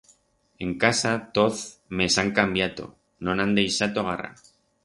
En casa toz me's han cambiato, no'n han deixato garra.